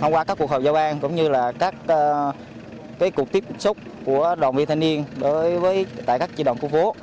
thông qua các cuộc hợp giao an cũng như các cuộc tiếp xúc của đoàn viên thanh niên tại các chi đoàn khu phố